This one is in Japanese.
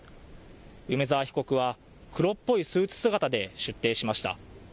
梅澤被告は黒っぽいスーツ姿で出廷しました。